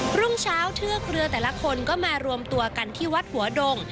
รุ่งเช้าเทือกเรือแต่ละคนก็มารวมตัวกันที่วัดหัวดง